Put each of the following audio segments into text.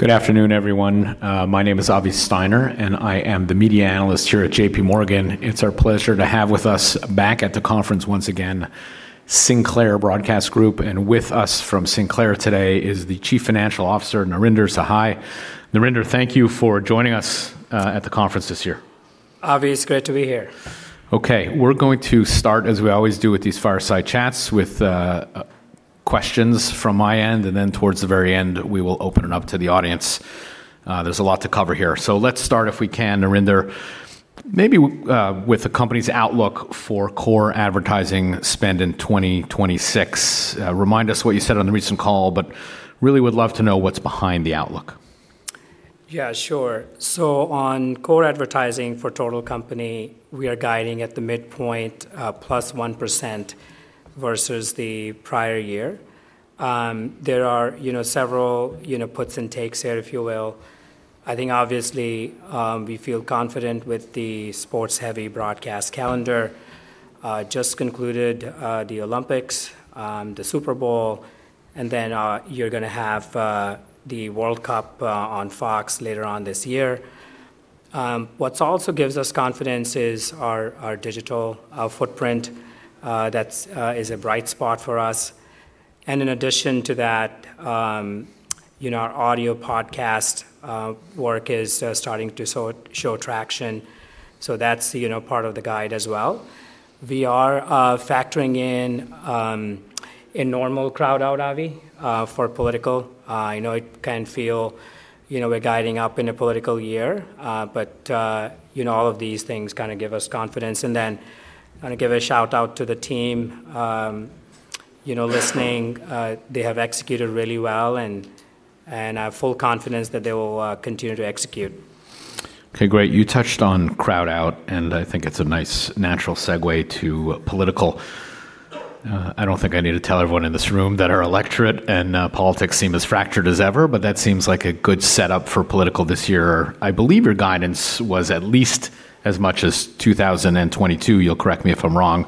Good afternoon, everyone. My name is Avi Steiner, and I am the media analyst here at J.P. Morgan. It's our pleasure to have with us back at the conference once again, Sinclair Broadcast Group. With us from Sinclair today is the Chief Financial Officer, Narinder Sahai. Narinder, thank you for joining us at the conference this year. Avi, it's great to be here. We're going to start, as we always do with these fireside chats, with questions from my end, and then towards the very end, we will open it up to the audience. There's a lot to cover here. Let's start, if we can, Narinder, maybe with the company's outlook for core advertising spend in 2026. Remind us what you said on the recent call, really would love to know what's behind the outlook. Yeah, sure. On core advertising for total company, we are guiding at the midpoint, +1% versus the prior year. There are, you know, several, you know, puts and takes here, if you will. I think obviously, we feel confident with the sports-heavy broadcast calendar, just concluded, the Olympics, the Super Bowl, and then, you're gonna have, the World Cup, on Fox later on this year. What's also gives us confidence is our digital footprint, is a bright spot for us. In addition to that, you know, our audio podcast work is starting to sort show traction. That's, you know, part of the guide as well. We are factoring in normal crowd out, Avi, for political. I know it can feel, you know, we're guiding up in a political year, but, you know, all of these things kinda give us confidence. Wanna give a shout out to the team, you know, listening. They have executed really well and I have full confidence that they will, continue to execute. Okay, great. You touched on crowd out, and I think it's a nice natural segue to political. I don't think I need to tell everyone in this room that our electorate and politics seem as fractured as ever, but that seems like a good setup for political this year. I believe your guidance was at least as much as 2022. You'll correct me if I'm wrong.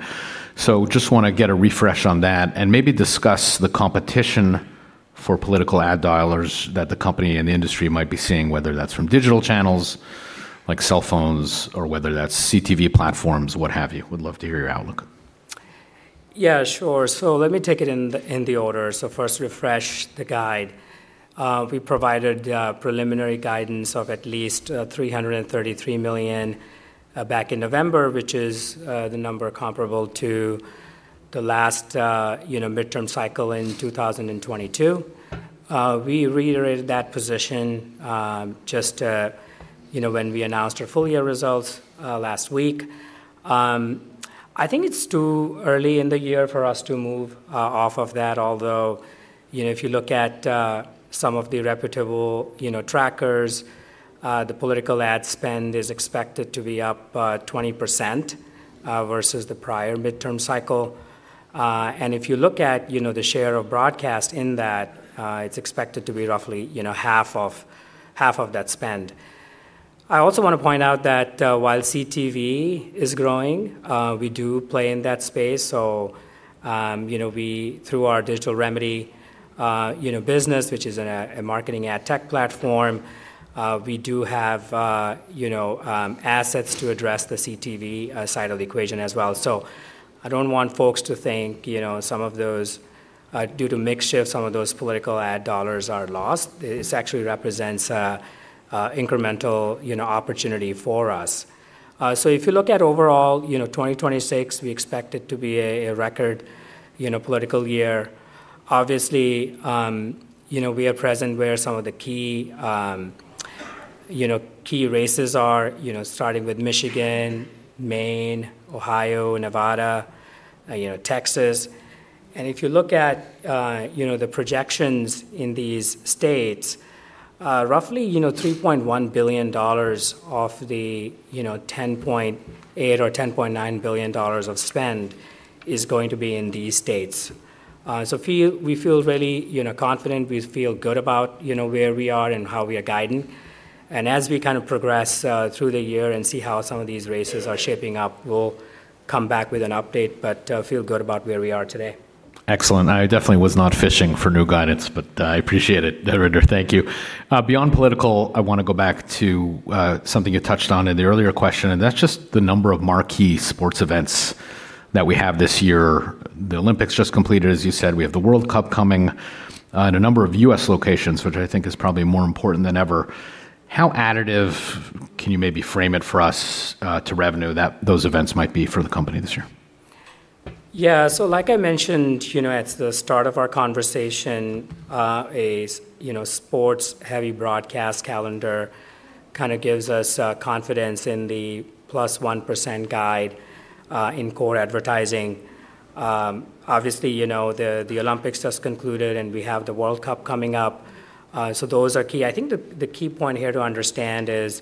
Just wanna get a refresh on that and maybe discuss the competition for political ad dialers that the company and the industry might be seeing, whether that's from digital channels like cell phones or whether that's CTV platforms, what have you. Would love to hear your outlook. Yeah, sure. Let me take it in the order. First, refresh the guide. We provided preliminary guidance of at least $333 million back in November, which is the number comparable to the last, you know, midterm cycle in 2022. We reiterated that position just, you know, when we announced our full year results last week. I think it's too early in the year for us to move off of that, although, you know, if you look at some of the reputable, you know, trackers, the political ad spend is expected to be up 20% versus the prior midterm cycle. If you look at, you know, the share of broadcast in that, it's expected to be roughly, you know, half of that spend. I also wanna point out that, while CTV is growing, we do play in that space. You know, we, through our Digital Remedy, you know, business, which is a marketing AdTech platform, we do have, you know, assets to address the CTV side of the equation as well. I don't want folks to think, you know, some of those due to mixture of some of those political ad dollars are lost. This actually represents incremental, you know, opportunity for us. If you look at overall, you know, 2026, we expect it to be a record, you know, political year. Obviously, you know, we are present where some of the key, you know, key races are, you know, starting with Michigan, Maine, Ohio, Nevada, you know, Texas. If you look at, you know, the projections in these states, roughly, you know, $3.1 billion of the, you know, $10.8 billion or $10.9 billion of spend is going to be in these states. We feel really, you know, confident. We feel good about, you know, where we are and how we are guiding. As we kind of progress, through the year and see how some of these races are shaping up, we'll come back with an update, but, feel good about where we are today. Excellent. I definitely was not fishing for new guidance, but I appreciate it, Narinder. Thank you. Beyond political, I wanna go back to something you touched on in the earlier question, and that's just the number of marquee sports events that we have this year. The Olympics just completed, as you said. We have the World Cup coming in a number of U.S. locations, which I think is probably more important than ever. How additive can you maybe frame it for us to revenue that those events might be for the company this year? Yeah. like I mentioned, you know, at the start of our conversation, you know, sports-heavy broadcast calendar kinda gives us confidence in the +1% guide in core advertising. Obviously, you know, the Olympics just concluded, and we have the World Cup coming up. Those are key. I think the key point here to understand is,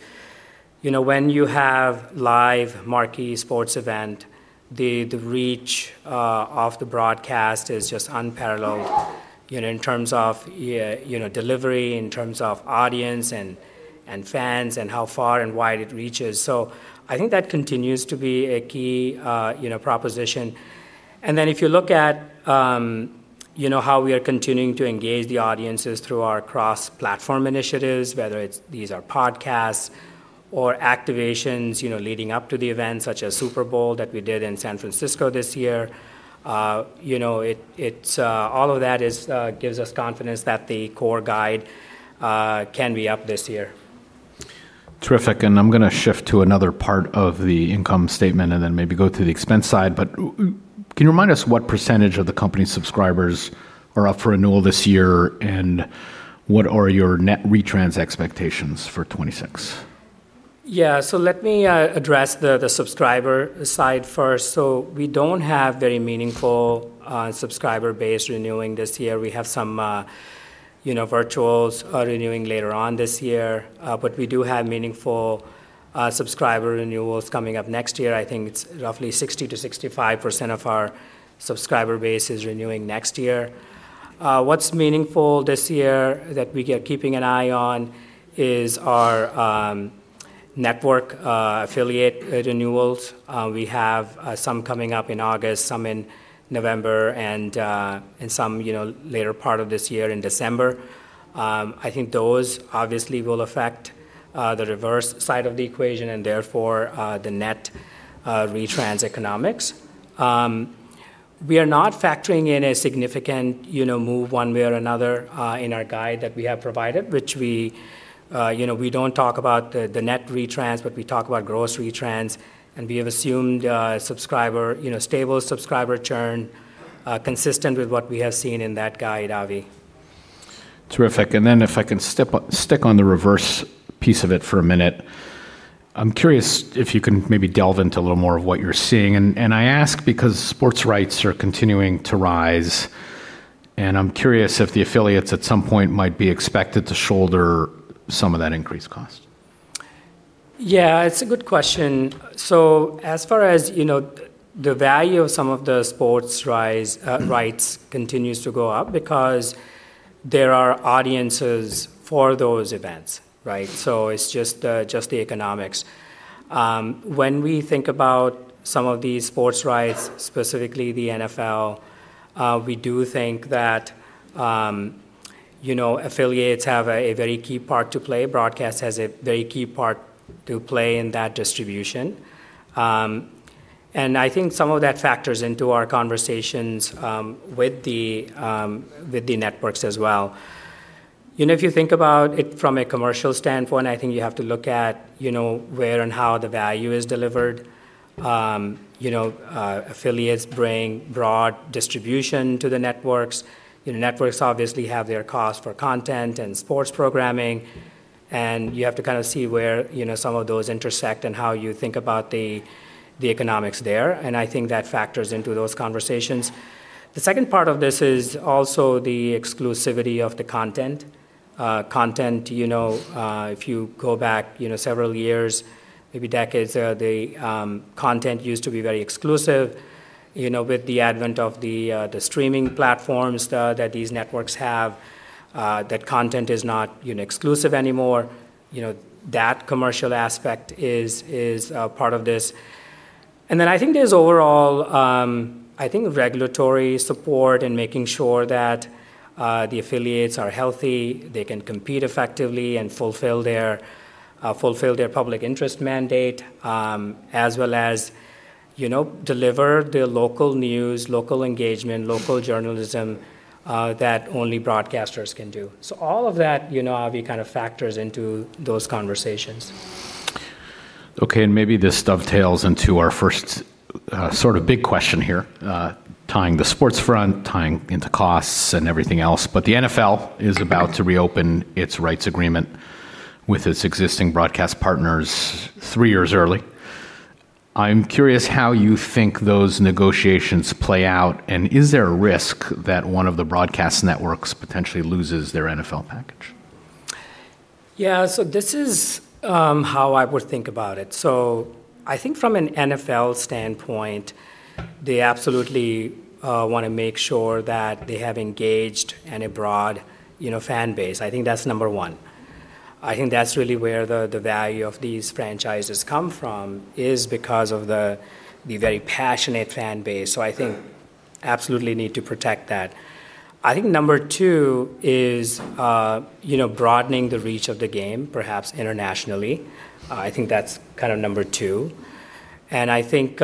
you know, when you have live marquee sports event, the reach of the broadcast is just unparalleled, you know, in terms of, you know, delivery, in terms of audience and fans and how far and wide it reaches. I think that continues to be a key, you know, proposition. If you look at, you know, how we are continuing to engage the audiences through our cross-platform initiatives, whether it's these are podcasts or activations, you know, leading up to the event, such as Super Bowl that we did in San Francisco this year, you know, all of that is, gives us confidence that the core guide can be up this year. Terrific. I'm going to shift to another part of the income statement and then maybe go to the expense side. Can you remind us what percentage of the company subscribers are up for renewal this year, and what are your net retrans expectations for 2026? Yeah. Let me address the subscriber side first. We don't have very meaningful subscriber base renewing this year. We have some, you know, virtuals renewing later on this year. We do have meaningful subscriber renewals coming up next year. I think it's roughly 60-65% of our subscriber base is renewing next year. What's meaningful this year that we are keeping an eye on is our network affiliate renewals. We have some coming up in August, some in November, and some, you know, later part of this year in December. I think those obviously will affect the reverse side of the equation and therefore, the net retrans economics. We are not factoring in a significant, you know, move one way or another, in our guide that we have provided, which we, you know, we don't talk about the net retrans, but we talk about gross retrans. We have assumed, subscriber, you know, stable subscriber churn, consistent with what we have seen in that guide, Avi. Terrific. Then if I can stick on the reverse piece of it for a minute, I'm curious if you can maybe delve into a little more of what you're seeing. I ask because sports rights are continuing to rise, and I'm curious if the affiliates at some point might be expected to shoulder some of that increased cost. Yeah, it's a good question. As far as, you know, the value of some of the sports rights continues to go up because there are audiences for those events, right? It's just the economics. When we think about some of these sports rights, specifically the NFL, we do think that, you know, affiliates have a very key part to play. Broadcast has a very key part to play in that distribution. I think some of that factors into our conversations with the networks as well. You know, if you think about it from a commercial standpoint, I think you have to look at, you know, where and how the value is delivered. You know, affiliates bring broad distribution to the networks. You know, networks obviously have their cost for content and sports programming, and you have to kinda see where, you know, some of those intersect and how you think about the economics there. I think that factors into those conversations. The second part of this is also the exclusivity of the content. Content, you know, if you go back, you know, several years, maybe decades, the content used to be very exclusive. You know, with the advent of the streaming platforms that these networks have, that content is not, you know, exclusive anymore. You know, that commercial aspect is part of this. I think there's overall, I think regulatory support in making sure that the affiliates are healthy, they can compete effectively and fulfill their public interest mandate, as well as, you know, deliver their local news, local engagement, local journalism, that only broadcasters can do. All of that, you know, Avi, kind of factors into those conversations. Okay. Maybe this dovetails into our first, sort of big question here, tying the sports front, tying into costs and everything else. The NFL is about to reopen its rights agreement with its existing broadcast partners three years early. I'm curious how you think those negotiations play out, and is there a risk that one of the broadcast networks potentially loses their NFL package? Yeah. This is how I would think about it. I think from an NFL standpoint, they absolutely wanna make sure that they have engaged in a broad, you know, fan base. I think that's number one. I think that's really where the value of these franchises come from, is because of the very passionate fan base. I think absolutely need to protect that. I think number two is, you know, broadening the reach of the game, perhaps internationally. I think that's kinda number 2. I think,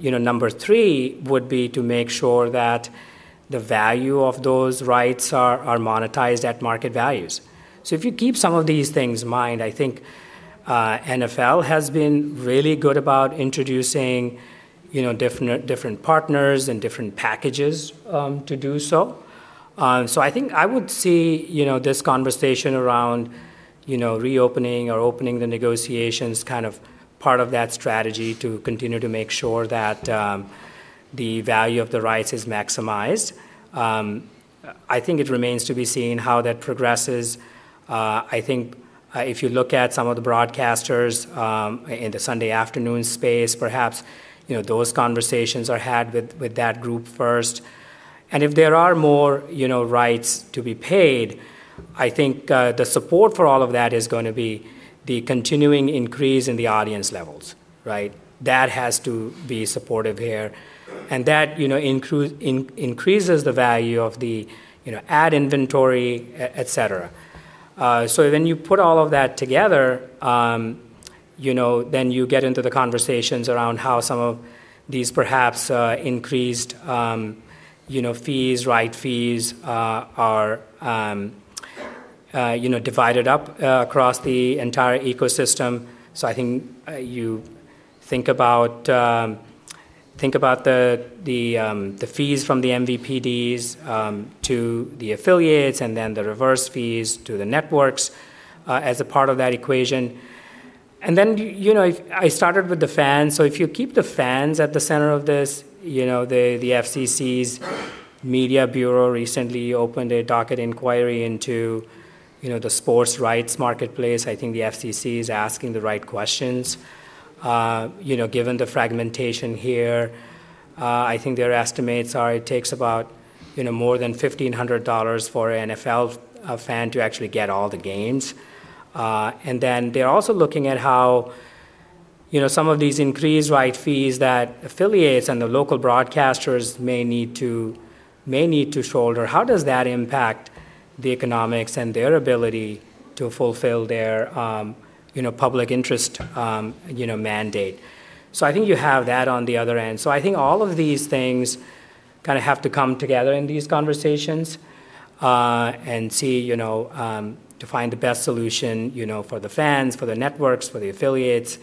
you know, number three would be to make sure that the value of those rights are monetized at market values. If you keep some of these things in mind, I think NFL has been really good about introducing, you know, different partners and different packages to do so. I think I would see, you know, this conversation around, you know, reopening or opening the negotiations kind of part of that strategy to continue to make sure that the value of the rights is maximized. I think it remains to be seen how that progresses. I think if you look at some of the broadcasters in the Sunday afternoon space, perhaps, you know, those conversations are had with that group first. If there are more, you know, rights to be paid, I think the support for all of that is gonna be the continuing increase in the audience levels, right? That has to be supportive here. That, you know, increases the value of the, you know, ad inventory, et cetera. When you put all of that together, you know, then you get into the conversations around how some of these perhaps increased, you know, fees are, you know, divided up across the entire ecosystem. I think you think about the fees from the MVPDs to the affiliates and then the reverse fees to the networks as a part of that equation. Then, you know, I started with the fans. If you keep the fans at the center of this, you know, the FCC's Media Bureau recently opened a docket inquiry into, you know, the sports rights marketplace. I think the FCC is asking the right questions. You know, given the fragmentation here, I think their estimates are it takes about, you know, more than $1,500 for an NFL fan to actually get all the games. They're also looking at how, you know, some of these increased right fees that affiliates and the local broadcasters may need to shoulder, how does that impact the economics and their ability to fulfill their, you know, public interest, you know, mandate? I think you have that on the other end. I think all of these things kinda have to come together in these conversations, and see, you know, to find the best solution, you know, for the fans, for the networks, for the affiliates,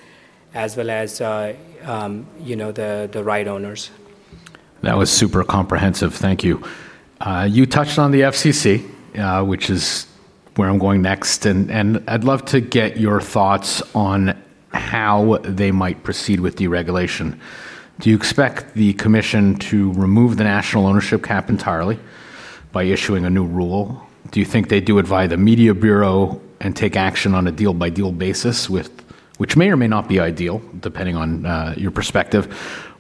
as well as, you know, the right owners. That was super comprehensive. Thank you. You touched on the FCC, which is where I'm going next, and I'd love to get your thoughts on how they might proceed with deregulation. Do you expect the commission to remove the national ownership cap entirely by issuing a new rule? Do you think they do it via the Media Bureau and take action on a deal-by-deal basis which may or may not be ideal, depending on your perspective,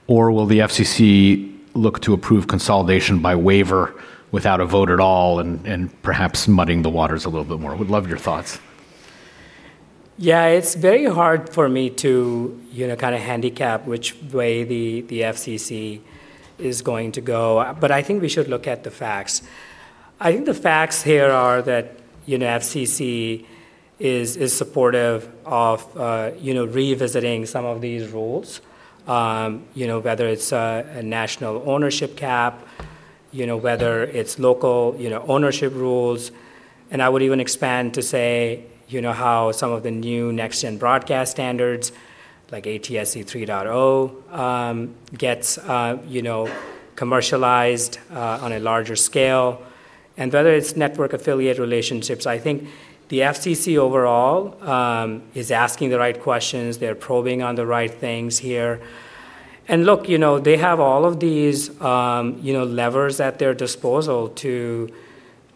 or will the FCC look to approve consolidation by waiver without a vote at all and perhaps muddying the waters a little bit more? Would love your thoughts. Yeah. It's very hard for me to, you know, kinda handicap which way the FCC is going to go, but I think we should look at the facts. I think the facts here are that, you know, FCC is supportive of, you know, revisiting some of these rules, you know, whether it's a national ownership cap, you know, whether it's local, you know, ownership rules, and I would even expand to say, you know, how some of the new next-gen broadcast standards, like ATSC 3.0, gets, you know, commercialized on a larger scale, and whether it's network affiliate relationships. I think the FCC overall is asking the right questions. They're probing on the right things here. Look, you know, they have all of these, you know, levers at their disposal to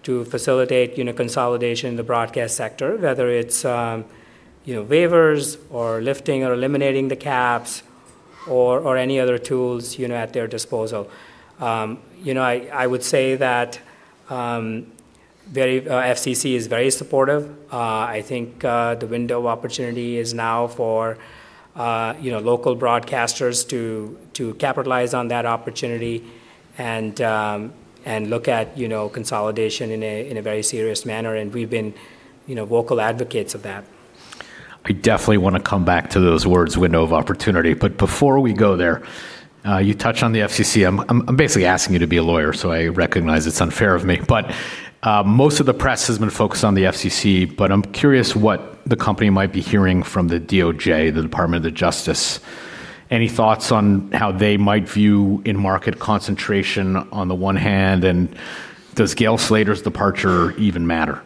facilitate, you know, consolidation in the broadcast sector, whether it's, you know, waivers or lifting or eliminating the caps or any other tools, you know, at their disposal. You know, I would say that, very, FCC is very supportive. I think, the window of opportunity is now for, you know, local broadcasters to capitalize on that opportunity and look at, you know, consolidation in a, in a very serious manner, and we've been, you know, vocal advocates of that. I definitely wanna come back to those words, window of opportunity. Before we go there, you touched on the FCC. I'm basically asking you to be a lawyer, so I recognize it's unfair of me. Most of the press has been focused on the FCC, but I'm curious what the company might be hearing from the DOJ, the Department of Justice. Any thoughts on how they might view in-market concentration on the one hand, and does Gail Slater's departure even matter?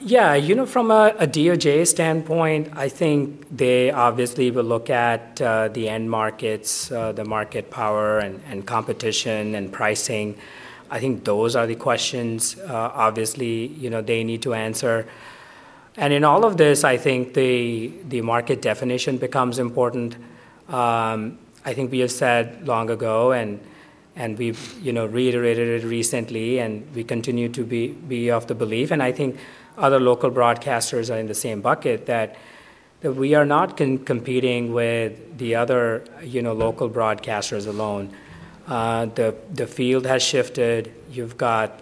Yeah. You know, from a DOJ standpoint, I think they obviously will look at the end markets, the market power and competition and pricing. I think those are the questions, obviously, you know, they need to answer. In all of this, I think the market definition becomes important. I think we have said long ago, and we've, you know, reiterated it recently, and we continue to be of the belief, and I think other local broadcasters are in the same bucket that we are not competing with the other, you know, local broadcasters alone. The field has shifted. You've got,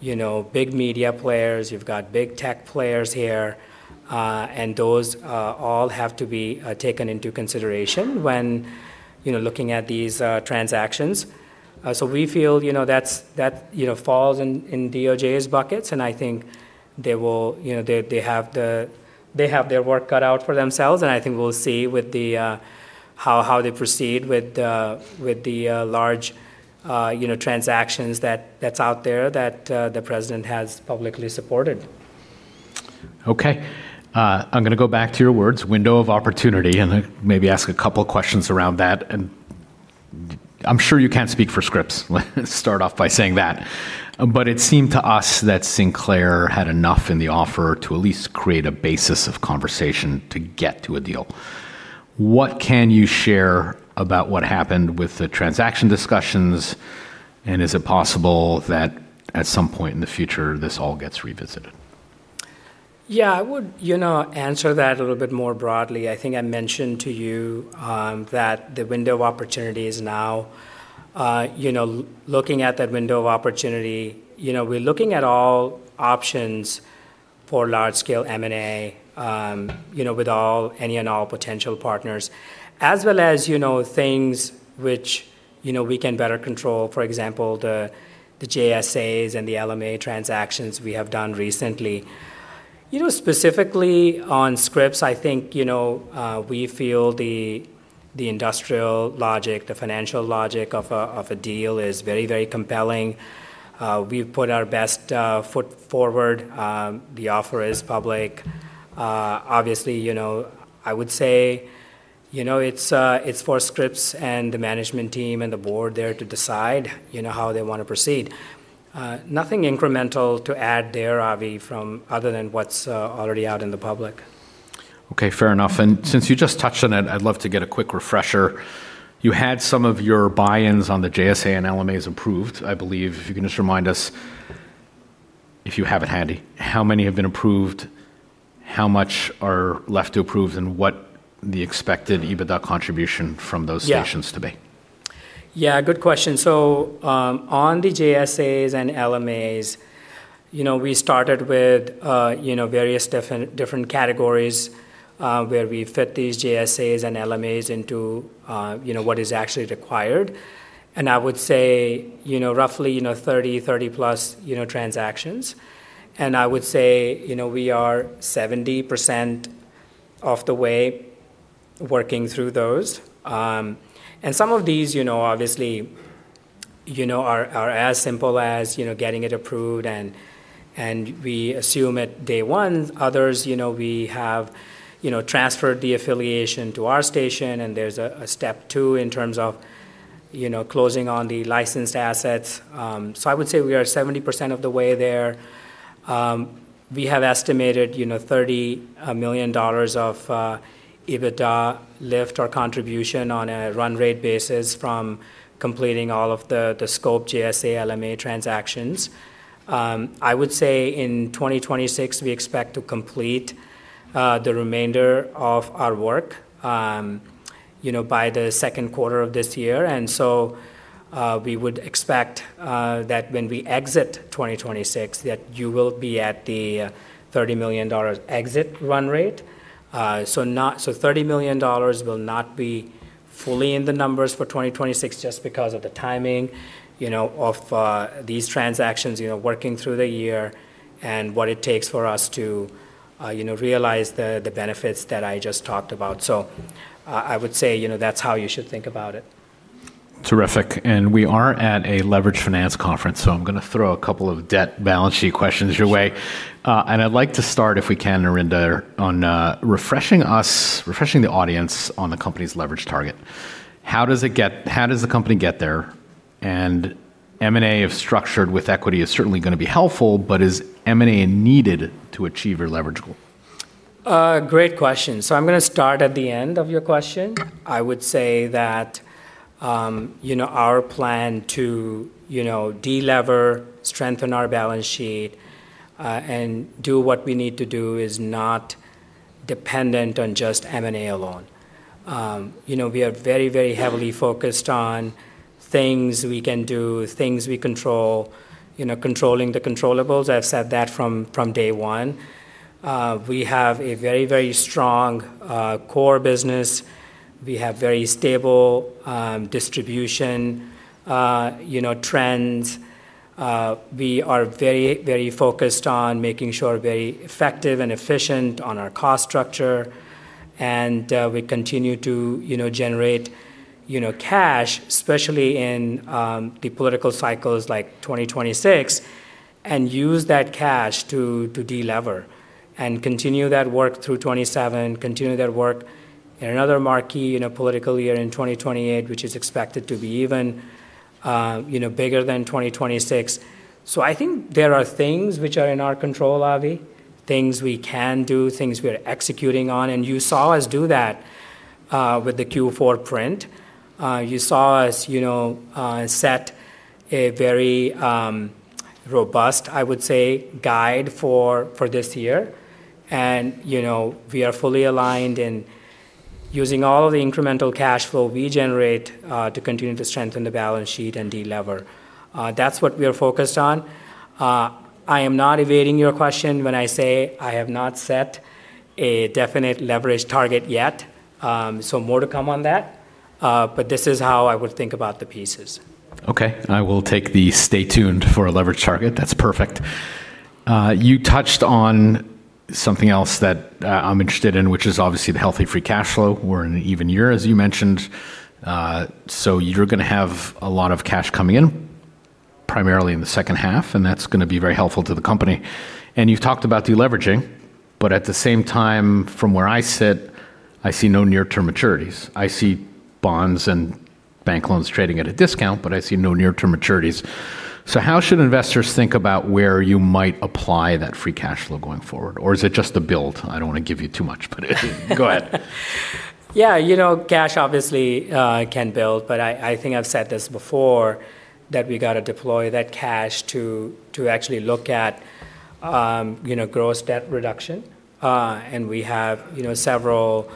you know, big media players. You've got big tech players here, and those all have to be taken into consideration when, you know, looking at these transactions. We feel, you know, that's, that, you know, falls in DOJ's buckets, and I think they have their work cut out for themselves, and I think we'll see with the how they proceed with the large, you know, transactions that's out there that the president has publicly supported. Okay. I'm gonna go back to your words, window of opportunity, and then maybe ask a couple questions around that. I'm sure you can't speak for Scripps. Let's start off by saying that. It seemed to us that Sinclair had enough in the offer to at least create a basis of conversation to get to a deal. What can you share about what happened with the transaction discussions, and is it possible that at some point in the future, this all gets revisited? Yeah, I would, you know, answer that a little bit more broadly. I think I mentioned to you that the window of opportunity is now, you know, looking at that window of opportunity. You know, we're looking at all options for large-scale M&A, you know, with any and all potential partners, as well as, you know, things which, you know, we can better control. For example, the JSAs and the LMA transactions we have done recently. You know, specifically on Scripps, I think, you know, we feel the industrial logic, the financial logic of a, of a deal is very, very compelling. We've put our best foot forward. The offer is public. obviously, you know, I would say, you know, it's for Scripps and the management team and the board there to decide, you know, how they wanna proceed. nothing incremental to add there, Avi, other than what's, already out in the public. Okay, fair enough. Since you just touched on it, I'd love to get a quick refresher. You had some of your buy-ins on the JSA and LMAs approved, I believe. If you can just remind us, if you have it handy, how many have been approved, how much are left to approve, and what the expected EBITDA contribution from those- Yeah ...stations to be. Yeah, good question. On the JSAs and LMAs, you know, we started with, you know, various different categories, where we fit these JSAs and LMAs into, you know, what is actually required. I would say, you know, roughly, you know, 30+, you know, transactions. I would say, you know, we are 70% of the way working through those. Some of these, you know, obviously, you know, are as simple as, you know, getting it approved and we assume at day one. Others, you know, we have, you know, transferred the affiliation to our station, and there's a step two in terms of, you know, closing on the licensed assets. I would say we are 70% of the way there. We have estimated, you know, $30 million of EBITDA lift or contribution on a run rate basis from completing all of the scope JSA, LMA transactions. I would say in 2026, we expect to complete the remainder of our work, you know, by the 2nd quarter of this year. We would expect that when we exit 2026, that you will be at the $30 million exit run rate. So $30 million will not be fully in the numbers for 2026 just because of the timing, you know, of these transactions, you know, working through the year and what it takes for us to, you know, realize the benefits that I just talked about. I would say, you know, that's how you should think about it. Terrific. We are at a leveraged finance conference, so I'm gonna throw a couple of debt balance sheet questions your way. I'd like to start, if we can, Narinder, on refreshing us, refreshing the audience on the company's leverage target. How does the company get there? M&A of structured with equity is certainly gonna be helpful, but is M&A needed to achieve your leverage goal? Great question. I'm gonna start at the end of your question. I would say that, you know, our plan to, you know, de-lever, strengthen our balance sheet, and do what we need to do is not dependent on just M&A alone. You know, we are very, very heavily focused on things we can do, things we control, you know, controlling the controllables. I've said that from day one. We have a very, very strong core business. We have very stable distribution, you know, trends. We are very focused on making sure very effective and efficient on our cost structure, we continue to, you know, generate, you know, cash, especially in the political cycles like 2026, use that cash to de-lever and continue that work through 2027, continue that work in another marquee, you know, political year in 2028, which is expected to be even, you know, bigger than 2026. I think there are things which are in our control, Avi, things we can do, things we are executing on, you saw us do that with the Q4 print. You saw us, you know, set a very robust, I would say, guide for this year. You know, we are fully aligned in using all of the incremental cash flow we generate, to continue to strengthen the balance sheet and de-lever. That's what we are focused on. I am not evading your question when I say I have not set a definite leverage target yet. More to come on that. This is how I would think about the pieces. Okay. I will take the stay tuned for a leverage target. That's perfect. You touched on something else that, I'm interested in, which is obviously the healthy free cash flow. We're in an even year, as you mentioned. You're gonna have a lot of cash coming in, primarily in the second half, and that's gonna be very helpful to the company. You've talked about de-leveraging, but at the same time, from where I sit, I see no near-term maturities. I see bonds and bank loans trading at a discount, but I see no near-term maturities. How should investors think about where you might apply that free cash flow going forward? Or is it just the build? I don't want to give you too much, but go ahead. Yeah, you know, cash obviously, can build, but I think I've said this before that we gotta deploy that cash to actually look at, you know, gross debt reduction. We have, you know, several,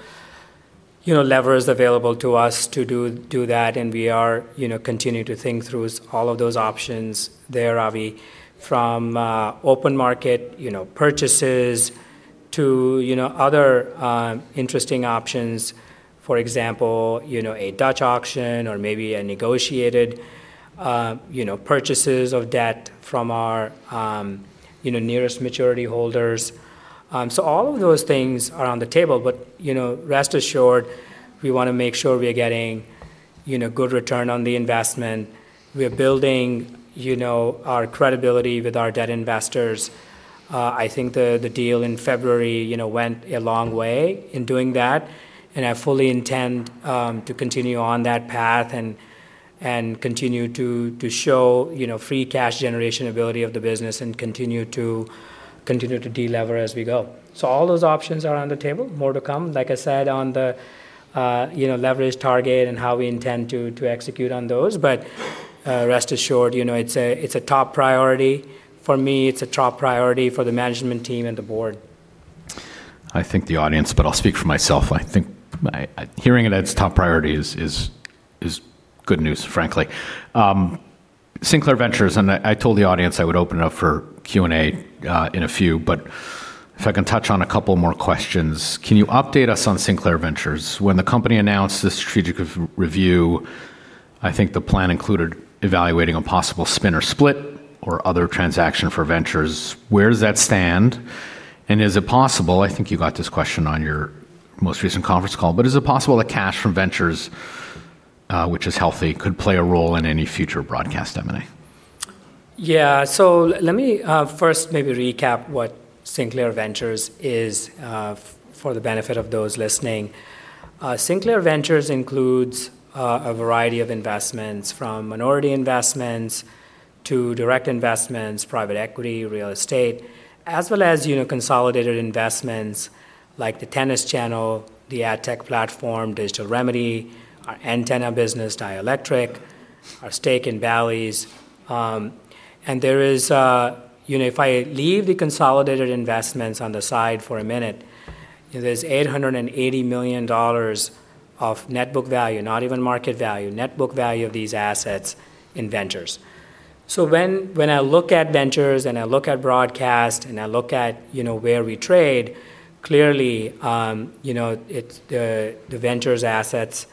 you know, levers available to us to do that, and we are, you know, continuing to think through all of those options there, Avi. From open market, you know, purchases to, you know, other, interesting options. For example, you know, a Dutch auction or maybe a negotiated, you know, purchases of debt from our, you know, nearest maturity holders. All of those things are on the table, but, you know, rest assured, we wanna make sure we are getting, you know, good return on the investment. We are building, you know, our credibility with our debt investors. I think the deal in February, you know, went a long way in doing that, and I fully intend to continue on that path and continue to show, you know, free cash generation ability of the business and continue to delever as we go. All those options are on the table. More to come, like I said, on the, you know, leverage target and how we intend to execute on those. Rest assured, you know, it's a top priority for me. It's a top priority for the management team and the board. I think the audience, but I'll speak for myself, I think my hearing it as top priority is good news, frankly. Sinclair Ventures, and I told the audience I would open it up for Q&A in a few. If I can touch on a couple more questions. Can you update us on Sinclair Ventures? When the company announced the strategic re-review, I think the plan included evaluating a possible spin or split or other transaction for Ventures. Where does that stand? Is it possible, I think you got this question on your most recent conference call, but is it possible that cash from Ventures, which is healthy, could play a role in any future broadcast M&A? Yeah. Let me first maybe recap what Sinclair Ventures is for the benefit of those listening. Sinclair Ventures includes a variety of investments from minority investments to direct investments, private equity, real estate, as well as, you know, consolidated investments like the Tennis Channel, the AdTech platform, Digital Remedy, our antenna business, Dielectric, our stake in Volius. There is, you know, if I leave the consolidated investments on the side for a minute, there's $880 million of net book value, not even market value, net book value of these assets in Ventures. When I look at Ventures and I look at broadcast and I look at, you know, where we trade, clearly, you know, it's the Ventures assets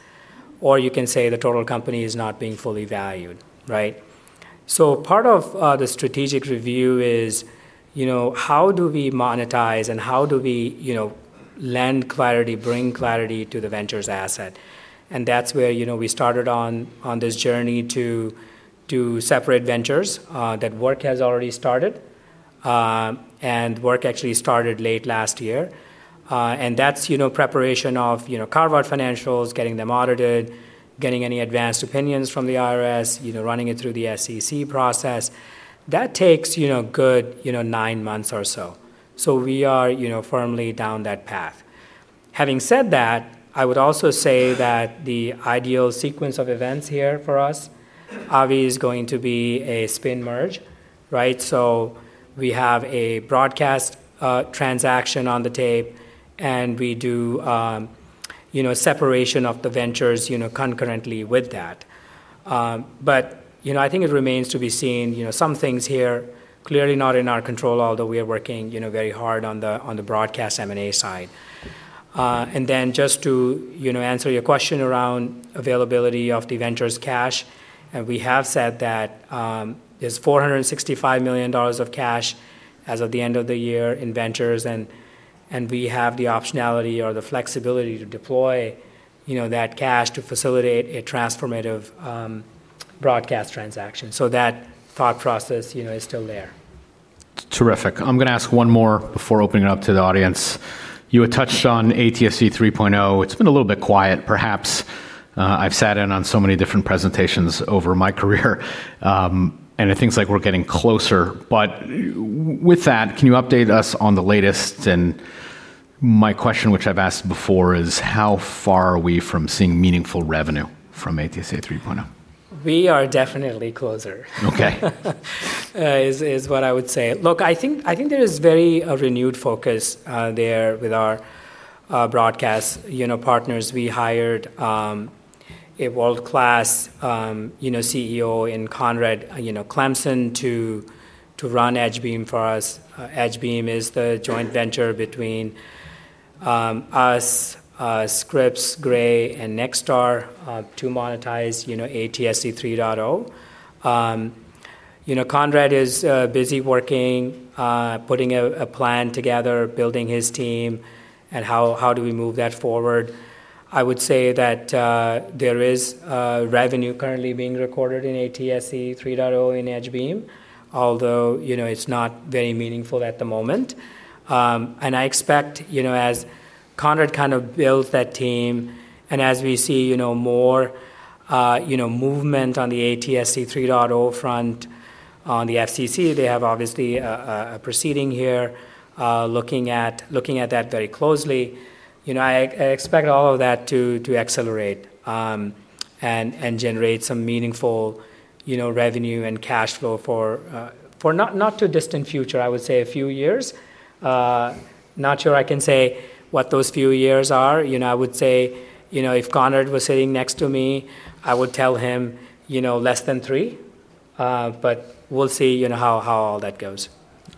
or you can say the total company is not being fully valued, right? Part of the strategic review is, you know, how do we monetize and how do we, you know, lend clarity, bring clarity to the Ventures asset? That's where, you know, we started on this journey to separate Ventures. That work has already started. Work actually started late last year. That's, you know, preparation of, you know, carve out financials, getting them audited, getting any advanced opinions from the IRS, you know, running it through the SEC process. That takes, you know, good, you know, nine months or so. We are, you know, firmly down that path. Having said that, I would also say that the ideal sequence of events here for us, Avi, is going to be a spin merge, right? We have a broadcast transaction on the tape and we do, you know, separation of the Ventures, you know, concurrently with that. You know, I think it remains to be seen. You know, some things here clearly not in our control although we are working, you know, very hard on the, on the broadcast M&A side. Then just to, you know, answer your question around availability of the Ventures cash, and we have said that, there's $465 million of cash as of the end of the year in Ventures and we have the optionality or the flexibility to deploy, you know, that cash to facilitate a transformative broadcast transaction. That thought process, you know, is still there. Terrific. I'm gonna ask one more before opening it up to the audience. You had touched on ATSC 3.0. It's been a little bit quiet, perhaps. I've sat in on so many different presentations over my career, and it seems like we're getting closer. With that, can you update us on the latest? My question which I've asked before is how far are we from seeing meaningful revenue from ATSC 3.0? We are definitely closer. Okay. Is what I would say. Look, I think there is very a renewed focus there with our broadcast, you know, partners. We hired a world-class, you know, CEO in Conrad, you know, Clemson to run EdgeBeam for us. EdgeBeam is the joint venture between us, Scripps, Gray, and Nexstar to monetize, you know, ATSC 3.0. You know, Conrad is busy working, putting a plan together, building his team and how do we move that forward. I would say that there is revenue currently being recorded in ATSC 3.0 in EdgeBeam although, you know, it's not very meaningful at the moment. I expect, you know, as Conrad kind of builds that team and as we see, you know, more, you know, movement on the ATSC 3.0 front on the FCC, they have obviously a proceeding here, looking at that very closely. You know, I expect all of that to accelerate. Generate some meaningful, you know, revenue and cash flow for not too distant future, I would say a few years. Not sure I can say what those few years are. You know, I would say, you know, if Conrad was sitting next to me, I would tell him, you know, less than three. We'll see, you know, how all that goes.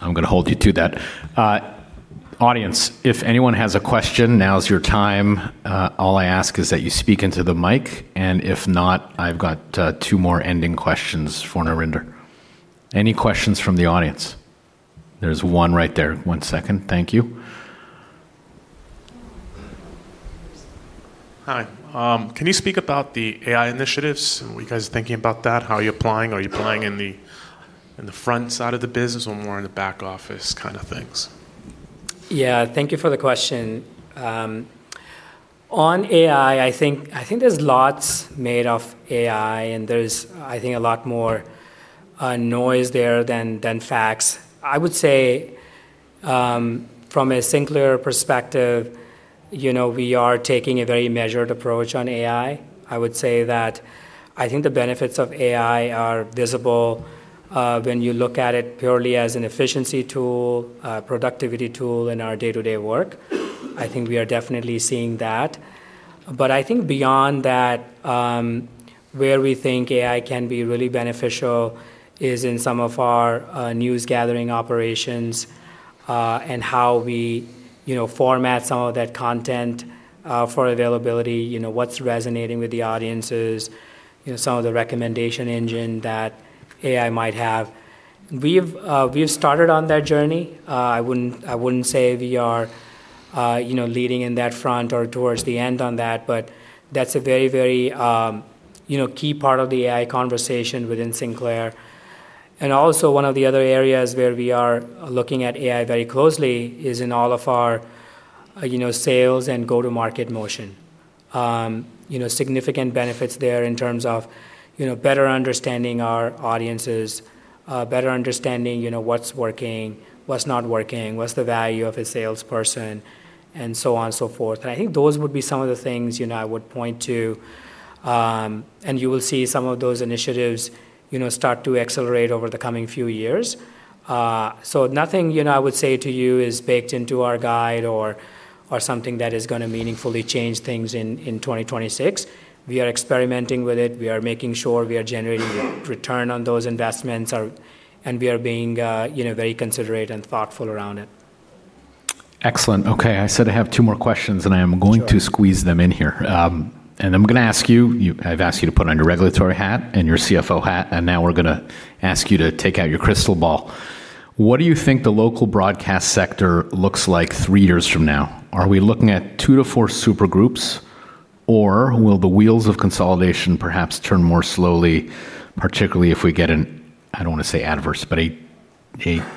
I'm gonna hold you to that. Audience, if anyone has a question, now is your time. All I ask is that you speak into the mic. If not, I've got two more ending questions for Narinder. Any questions from the audience? There's one right there. One second. Thank you. Hi. Can you speak about the AI initiatives? Were you guys thinking about that? How are you applying? Are you applying in the, in the front side of the business or more in the back office kinda things? Yeah. Thank you for the question. On AI, I think there's lots made of AI, and there's, I think, a lot more noise there than facts. I would say, from a Sinclair perspective, you know, we are taking a very measured approach on AI. I would say that I think the benefits of AI are visible, when you look at it purely as an efficiency tool, a productivity tool in our day-to-day work. I think we are definitely seeing that. I think beyond that, where we think AI can be really beneficial is in some of our news gathering operations, and how we, you know, format some of that content, for availability, you know, what's resonating with the audiences, you know, some of the recommendation engine that AI might have. We've started on that journey. I wouldn't say we are, you know, leading in that front or towards the end on that, but that's a very, you know, key part of the AI conversation within Sinclair. One of the other areas where we are looking at AI very closely is in all of our, you know, sales and go-to-market motion. You know, significant benefits there in terms of, you know, better understanding our audiences, better understanding, you know, what's working, what's not working, what's the value of a salesperson, and so on and so forth. I think those would be some of the things, you know, I would point to. You will see some of those initiatives, you know, start to accelerate over the coming few years. Nothing, you know, I would say to you is baked into our guide or something that is gonna meaningfully change things in 2026. We are experimenting with it. We are making sure we are generating return on those investments and we are being, you know, very considerate and thoughtful around it. Excellent. Okay. I said I have two more questions. I am going to squeeze them in here. I'm gonna ask you, I've asked you to put on your regulatory hat and your CFO hat, and now we're gonna ask you to take out your crystal ball. What do you think the local broadcast sector looks like three years from now? Are we looking at two to four super groups, or will the wheels of consolidation perhaps turn more slowly, particularly if we get an, I don't wanna say adverse, but a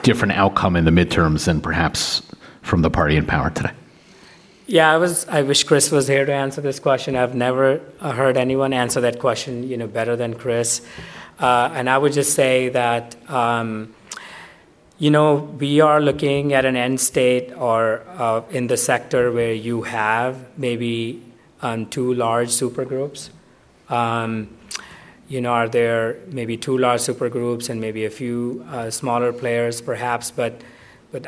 different outcome in the midterms than perhaps from the party in power today? Yeah. I wish Chris was here to answer this question. I've never heard anyone answer that question, you know, better than Chris. I would just say that, you know, we are looking at an end state or, in the sector where you have maybe two large super groups. You know, are there maybe two large super groups and maybe a few smaller players perhaps?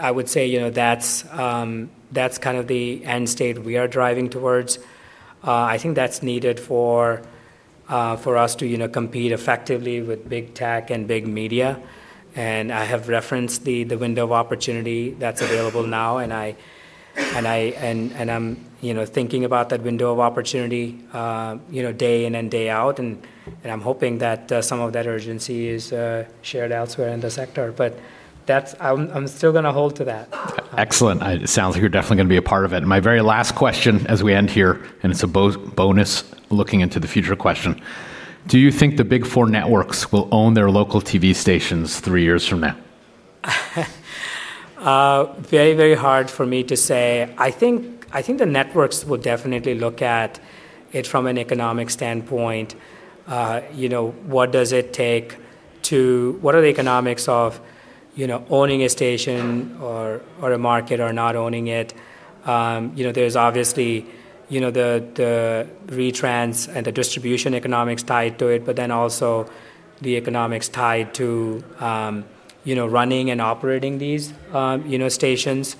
I would say, you know, that's kind of the end state we are driving towards. I think that's needed for us to, you know, compete effectively with big tech and big media. I have referenced the window of opportunity that's available now, and I'm, you know, thinking about that window of opportunity, you know, day in and day out, and I'm hoping that some of that urgency is shared elsewhere in the sector. That's I'm still gonna hold to that. Excellent. It sounds like you're definitely gonna be a part of it. My very last question as we end here, and it's a bonus looking into the future question: Do you think the big four networks will own their local TV stations three years from now? Very hard for me to say. I think the networks will definitely look at it from an economic standpoint. You know, what are the economics of, you know, owning a station or a market or not owning it? You know, there's obviously, you know, retrans and the distribution economics tied to it, but then also the economics tied to, you know, running and operating these, you know, stations.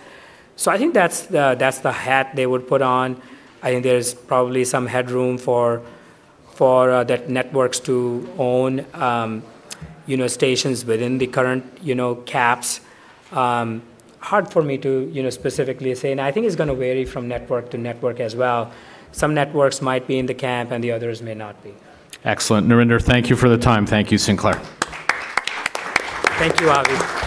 I think that's the hat they would put on. I think there's probably some headroom for the networks to own, you know, stations within the current, you know, caps. Hard for me to, you know, specifically say, I think it's gonna vary from network to network as well. Some networks might be in the camp and the others may not be. Excellent. Narinder, thank you for the time. Thank you, Sinclair. Thank you, Avi. Great. Thank you.